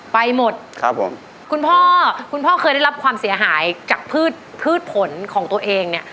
ไปหมดครับผมคุณพ่อคุณพ่อเคยได้รับความเสียหายจากพืชพืชผลของตัวเองเนี่ย